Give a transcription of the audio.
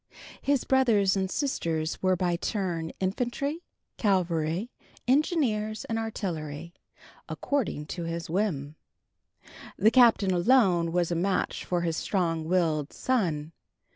His brothers and sisters were by turn infantry, cavalry, engineers, and artillery, according to his whim. The Captain alone was a match for his strong willed son.